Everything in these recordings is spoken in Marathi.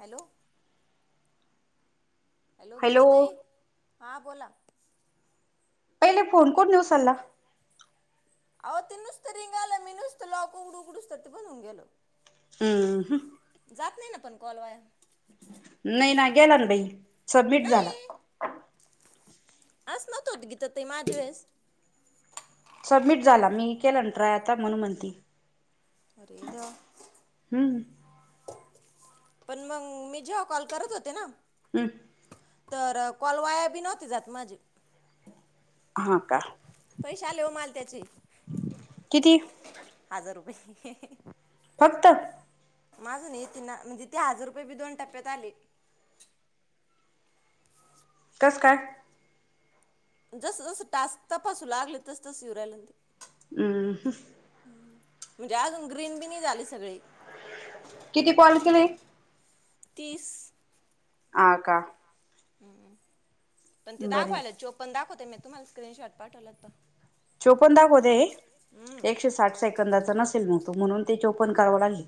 हॅलो हॅलो गीता ताई हां बोला पहिले फोन कोणनी उचलला. आहो ते नुसतं रिंग आलंय मी नुसतं लोकं उघडू उघडूतोवर ते बंद होऊन गेल. हम्म हम जात नाय ना पण कॉल वाया नाय ना गेला ना बाई सबमिट झाला. नाही असं नव्हत होत गीता ताई ते माझ्या वेळेस सबमिट झाला मी केला ना ट्राय आता म्हणून म्हणती. अरे देवा! हूं पण मंग मी जेव्हा कॉल करत होते ना हम् तर कॉल वाया बी नव्हते जात माझे. हां का पैसे आले ओ माल त्याचे किती? हजार रुपये. फक्त माझं नाय ती ना म्हणजे ते हजार रुपये बी दोन टप्प्यात आले. कसं काय? जस जस टास्क तपासू लागल तस तस येऊ रांयल न ते हम्म म्हणजे अजून ग्रीन बी नही झाले सगळे. किती कॉल केले. तीस हा हा हं पण ते बरे दाखवायलात चो पण दाखवते मी तुम्हाला स्क्रीनशॉट पाठवला आता. चोपन दाखवत आहे एकशे हम्म साठ साेकंदाचा नसेल मग तू म्हणून ते चोपन करावं लागले.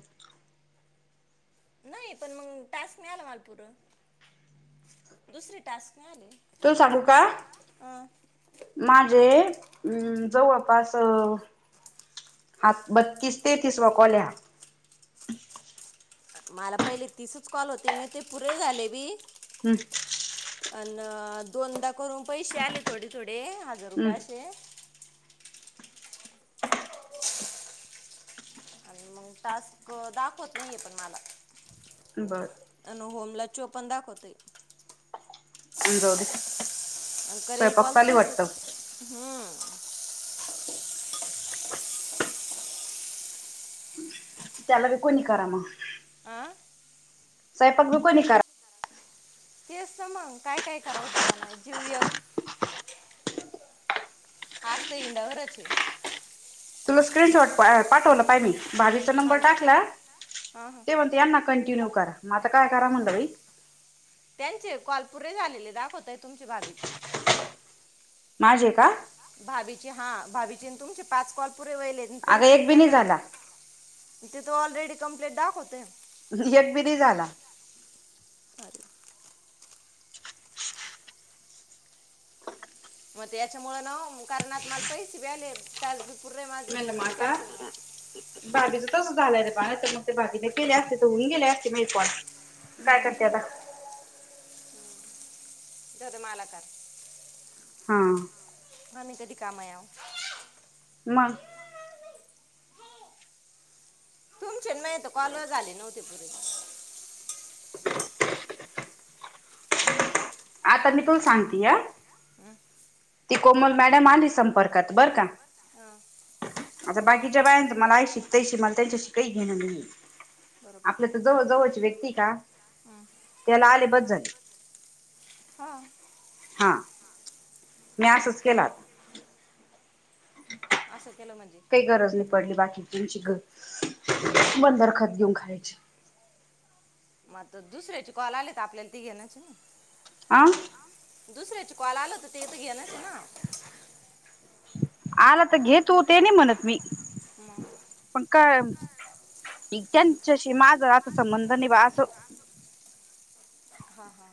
नाही पण मग टास्क नाय आला मला पूर दुसरी टास्क नाय आले. तूल सांगू का अं. माझे अ जवळपास अ हा बत्तीस तेतीसवा कॉल ये हा मला पहिले तिसच कॉल होते मी ते पुरे झाले बी हम् अनं दोनदा करून पैसे आले थोडे थोडे हजार रुपये हम्म असे आणि मग टास्क दाखवत नाहीये पण मला. बर अन होमला चोपण दाखवतय. अं जाऊदे अन करेल कॉल तीस हम्म त्याला बी कोणी करा म आ सायंपाक बी कोणी करा. तेचं त मग काय काय करावं जीवान जीवं यक आज त इंडावरचये. तुला स्क्रीनशॉट पाठवलं पाय मी भाभी चा हा नंबर ना टाकला हां हां ते म्ह त्यांना कंटिन्यू करा म आता काय करा म्हणल बाई त्यांचे कॉल पुरे झालेले दाखवतय तुमचे भाभीचे. माझे का भाभीचे हा भाभीचे तुमचे पाच कॉल पुरे वयलेत अनं तरी अगं तुम्ही एक बी नाही त्यांना झाला इथं तर ऑलरेडी कंप्लिट दाखवतय. एक बी नाय झाला. [unintelligible] मग त्याच्यामुळ ना कारण आता मला पैसे बी आले, तजी पूर माझं तस काय असेल मग दहावीचं तस झालं रे बाळ! तर मग ते भाभीने केले असते तर होऊन गेले असते म पॉ हम्म हम् ते होते मालाकार हा! मग मी कधी काम [unintelligible] मग, तुमचे आणि माझे कालच झाले नव्हते पुरे, आता मी तुला सांगते या, हं, ती कोमल मॅडम आली संपर्कात बरं का! हं, आता बाकीच्याे बा आहे मला शिकतायशी मला त्यांच्याशी काही घेणं नाही बरोबर आपलं जव जवची व्यक्ती का त्याला आले पच झाले. हा! हा! मी असंच केलात. [inaudible] असं केलं म्हणजे, काही गरज नाही पडली बाकी तुची ग, बंदरखत घेऊन खायची. मग तर दुसऱ्याचे कॉल आले तर आपल्याला ती घेणच ना! आं दुसऱ्याच कॉल आल होत ते तर घेनाच ना, आला तर घेतू ते नाही म्हणत मी, मग, पण का त्यांच्याशी माझ आता संबंध नाही बा असं हा, हा!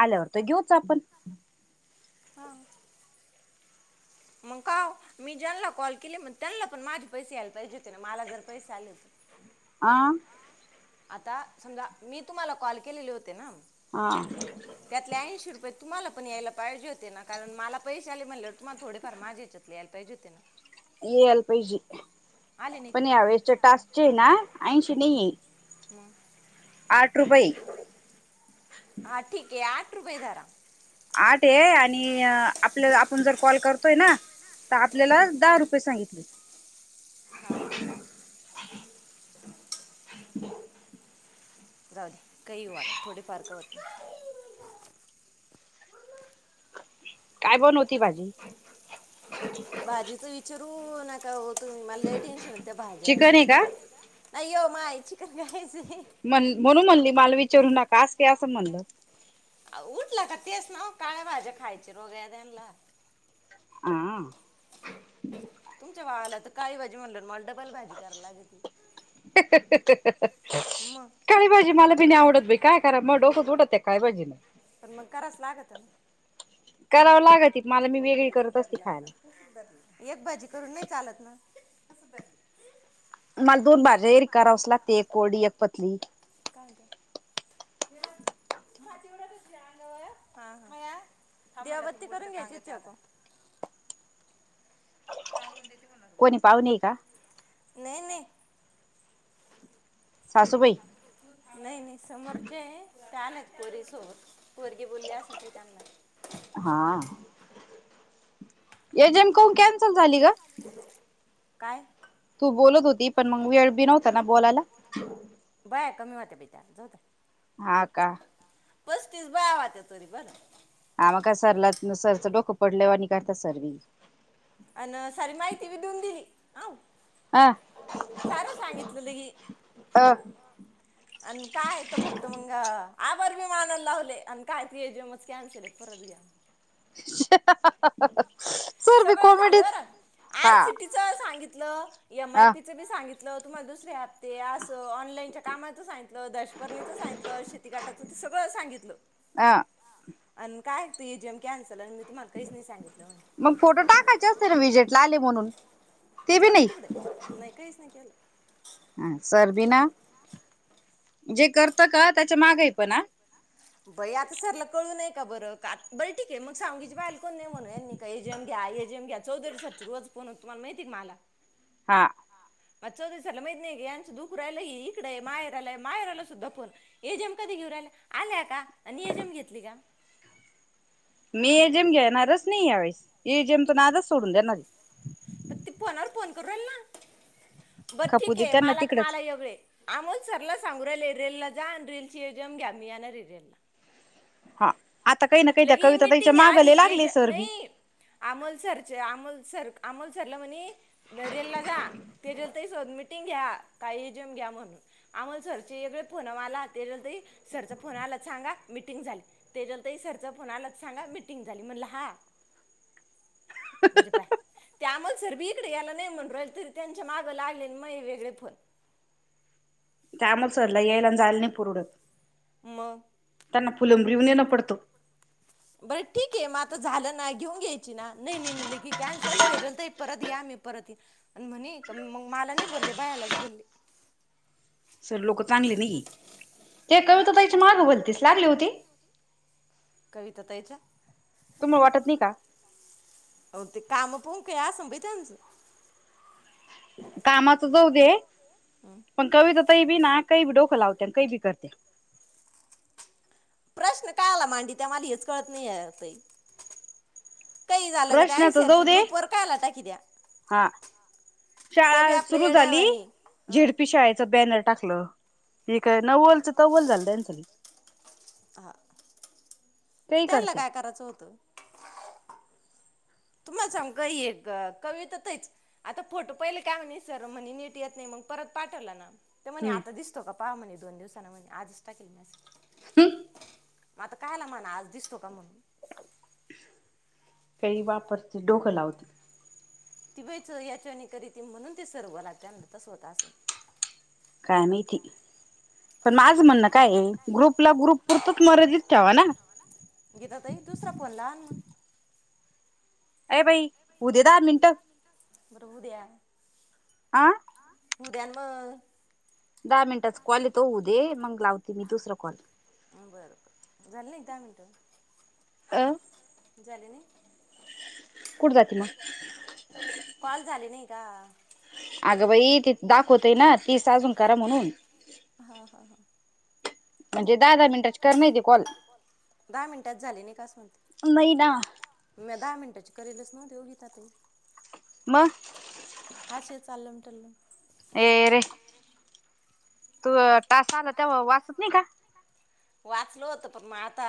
आल्यावर तर घेऊच आपण, हां! मग काव, मी ज्यांना कॉल केले मग त्यांना पण माझे पैसे आला पाहिजे होते ना मला जर पैसे आले होते. आ, आता समजा मी तुम्हाला कॉल केलेले होते ना! हा! त्यातले ऐंशी रुपये तुम्हाला प यायला पाहिजे होे ना, कारण मला पैसे आले म्हणाले तुमला थोडेफार माझेच. ल्याल्पई होते ना! याला पाहिजे आले नाहीत पण मग यावेेळेसच्या टास्कचे आहे ना ऐंशी नाही आहे. म आठ रुपये, हा ठीक आहे आठ रुपये धरा. आठ आहे आणि आपलं आपण जर कॉल करतोय ना. तर आपल्याला दहा रुपये सांगितले, हा, हा [inaudible] जाऊदे काही हो आता थोडे फार का होत नाही, काय बण होती भाजी. भाजीच विचारू नका हो तुम्ही मला ल टेन्शन त्या भाज्या, चिकन आहे का नाही ये माय चिकन खायचे, म्हण म्हणून म्हणली माल विचारू नकास की असं म्हणलं, उठला का तेस ना काळ भाज्या खायचे रोग्या त्यांला. आ. तुमच्या वावाला तर काही भाजी म्हणलं मला डबल भाजी करायलागेती. [inaudible] मग काही भाजी मला बी नाही आवडत बा काय करा मग डोकत फु डत त्या काही भाजी नाही. पण मग करायच लागत ना- करावं लागत मला मी वेगळी करत असते खायला. एक भाजी करून नाही चालत ना कस मला दोन भाज्या एरी करावस लागते एक कोडी एक पतली. काद व म तेवढा त त्यावरती करून घ्यायची इथता- सांगून देते म्हणा कोणी पाहुणे आहे का नाही नाही! सासु बाई नाही नाही समोरचे त्या नाहीत पोरीसोर पोरगी बोलले अस त्यांना हा ऐजमन कमान कॅन्सल झाली ग! काय? तू बोलत होती पण मग वीळबी नव्हता ना बोलायला? बया कमी होते बिता जाऊत हा का? पस्तीस बय वा त्या्या तोरी बर आम काय सरला सरचं डोकं पडलेवर आणि करता सर. आणि सारी माहिती बी देऊन दिली. हा सारं सांगितलं लघी अ आणि काय तर फक्त मंग आभार बी मानाला लावले आणि काय एजमच कॅन्सल परत [unintelligible] सर बी [unintelligible] कॉमेडीत हा हा सांगितलं तुम्हाला दुसरते असं ऑनलाईनच्या कामचगित दशपर्णीच सांगितलं शेती काटाच ते सगळं सांगितलं. अ अ कायतो एजीएम कॅन्सल आणि मी तुम्हाला कहीच नाही सांगितलं म्हणे मग फोटो टाकायचे असते ना विजेट ला आले म्हणून ते बी जाऊ दे नाही तिकडे नाही काहीच नाही केलं. हा सरबीना जे करत का त्याच्या मागही पण बई आता सरला कळू नय का बरं आ बरं ठीक आहे, मग सांगीची बाल कोण नाही म्हणून एजीएम घ्या एजीएम घ्या चौधरी सरची रोज फोनत तुमला माती मला हा हा म चौदसरला मै यांचं दुकू आहेलाय इकडे माहेराय माहेर आला सुद्धा फोन एजेम कधी घेऊन आल्या आल्या का आणि एजम घेतली का? मी ए जेम घेणारच नाही यावेळेस ए जेमच नादच सोडून देणार. प ती फोनावर फोन करू राल ना बर खपू ठीक दे आहे त्यांना मला तर तिकडच मला एवढ आमोद सरला सांगू राहिल रेल ला जा आणि रेलची एजम घ्या मी येणार र रेल ला हा आता काही ना काही त्या लगे कविता तिच्या मागाले लागले सर बी अमोलसरचे, आमोलसर, अमोलसरला म्हणी रेलला जा ते जेल त सोध मिटिंग घ्या काही जेम घ्या म्हणून आम्हाोल सरचेळे फोन आला ते सरचा फोन आला सांगा मीटिंग झाली. तेच्याल तई सरचं फोन आलाच सांगा मीटिंग झाली म्हटलं हा म्हणजे पय ते अमोल सर बी तिकडे गयला नाही म्हण राहिल तरी त्यांच्या मागं लागले मग वेगळे फोन त्यामुळे सरला यायला झाल नाही पुरडत. म त्यांना फ पुलंमबिऊन येणं पडतो. बरं ठीक आहे मग आता झालं नाही घेऊन घ्यायची ना नाही नाही नाही लेगी कॅन्सल त्याच्यांत परत या मी परत आणि म्हणे, मग मला नाही बोलले बायालाच बोलले, सर लोक चांगले नाही, ते आ कविता ताई च्या मागं भलतीस लागली होती, कवीत ताई च्या, तुम वाटत नाही का? अ ते काम पोंक असं भा त्यांचं, कामाच जाऊ दे, हम, पण कविता ताई बी नाही, काही बी डोकं लावते, काही बी करते, प्रश्न काय आला मांडी त्या, मला हेच कळत नाही आहे ताई, काही झालं ग त्या, प्रश्नाच जाऊ आयसीआरपी दे ग्रुप वर कायला टाकत्या, हा शाळा सुरु झाली, हा झेडपी शाळेच बॅनर टाकलं. ठीक आहे नव्वलच तव्वल, झालं त्यांनचल, हा काही त्यांला करते काय, करायचं होतं. तुम्हाला सांग का, ह एक कविता ताई च, आता फोटो पहिले काय म्हणे, सर म्हणे नीट येत नाही मग परत पाठवलं ना, ते म्हणे हम्म आता दिसतो, का पहा म्हणे दोन दिवस म्हणे आजच टाके, हम, म आता कायला माना आज दिसतो का म्हणून, काही वापरते, डोकं लावते, ती वयच याच्याने करीत म्हणून, ते सर्व ला त्यानच होत असं. काय माहिती पण माझ म्हण, काय ग्रुप ला, ग्रुप पुुरतच मर्यादित ठेवा ना, गीता ताई, दुसरा फोनला, अ बाई हूदे दहा मिनट, प्रभूदया, आं, उद्या म दहा मिनिटच कॉल येतो हूदे, मग लावते मी दुसरा कॉल, बरं बरं झालेले दहा मिनटं, अ, झाले नाही, कुठ जात म, कॉल झाली नाही का? अगं बाई ति दाखवतेय ना, तीस अजून करा म्हणून, हा, हा, हां, म्हणजे, दहा दहा मिनिटाची कर नाही ते कॉल दहा मिनिटांत झाले, निका असं म्हणते, नाही ना म दहा मिनटचे करेलच, ना देऊघीताात ते. म, अशा चाललं चाल्लं, ए रे तू टास्क, आला तेव्हा वाचत नाही का? वाचल होत पण मग आता,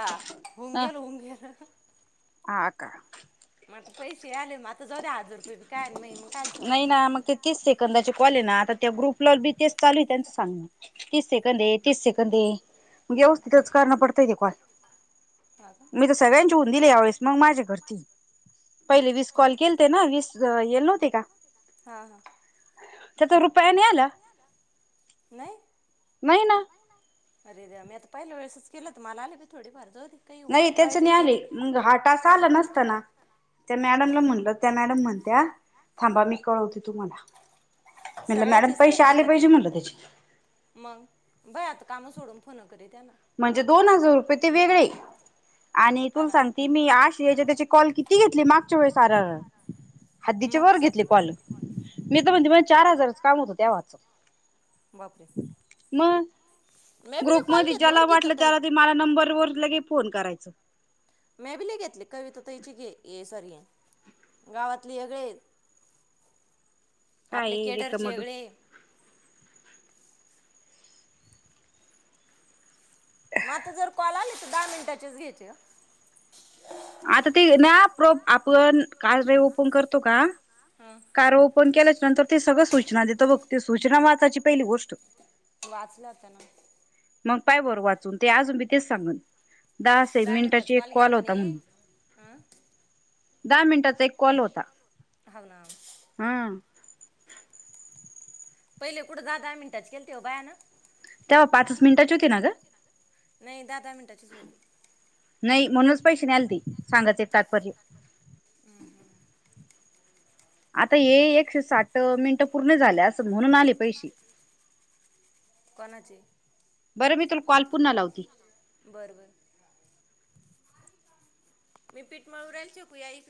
होऊन गेल होऊन गेल, ह का, मग पैसे आले म आता, जाऊ द्या हजार रुपये बी काय म मग कायाला सोडायचं, [unintelligible] चे कॉल आहेत ना ग्रुप, बी तेच चालू आहे त्यांचं सांग, म तीस सेकंद काय आहे तीस सेकंद दे म्हणजे अवस्थितच करना पडताय ते काय, हा का मी तर सगळ्यांची ऊन दिली, यावेस मग माझ्या करती, पहिले वीस कॉल केलते ना, वीस येल नव्ह का हा हा त्या रुपया नाही आला, नाही, नाही ना अरे रे आम्ी आता पहिल्या वेळेसच केलं तर मला आलेी थोडीफार जाऊी नाही त्याच नाही आले मंग हाटास आला नसताना त्या मॅडमला म्हणलं त्या मॅडम म्हण त्या थांबा मी कळवते तुम्हाला म्हणलं मॅडम सगळ्याचेच पैसे नाही आले गीता ताई पाहिजे पण म्हटलं त्याचे मग बई आता कामं सोडून फोनं करी त्या ना म्हणजे दोन हजार रुपये ते वेगळे आणि हा तुला ना सांगते मी आश याच्या त्याची कॉल किती घेतली मागच्या वेस सार हद्दीचे मग वर स घेतले कॉल मी तर म्हणते म चार हजारच काम होतं त्या वाच बापरे म मॅबीले कॉल ग्रुपमध्ये घेतले ज्याला बरं गीता वाटलं ताई त्याला ते मला नंबरवर ल के फोन करायच मेबिले घेतले कविता त हची घे ये सॉरी ये गावातले हेगळे काय केडरचे रेिकमट वेगळे म आता जर कॉल आले तर दहा मिनिटाचेच घ्यायचे आता ते ना प्र आपण का र ओपन करतो का हां कार ओपन केल्याच नंतर ते सगळं सूचना देत बघ ते सूचना वाचाची पहिली गोष्ट वाचला होता ना मग पाय बरं वाचून ते अजून मी तेच सांगन दास एक दहा मिनिटाच मिनिटाची एक घ्या कॉल होता म्हणे म्हण हं? दहा मिनिटाचा एक कॉल होता पलाम हम पहिले कुठं दहा दहा मिनिटाच केलतेव बायान तेव्हा पाच मिनिटाची होती ना नाही दहा दहा मिनटांचीच बरी नाही म्हणूनच पैसे नाही आल ते सांगाच एक तात्पर्य हम हं आता हे एकशे साठ मिनटं पूर्ण झाल्या अस म्हणून आले पैसे कोणची बरं मी तुला कॉल पुन्हा लावती बरं बरं मी पीठ मळ उरायला शकू या इ